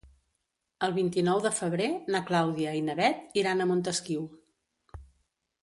El vint-i-nou de febrer na Clàudia i na Bet iran a Montesquiu.